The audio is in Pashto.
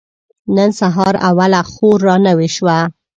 نن سهار اوله خور را نوې شوه.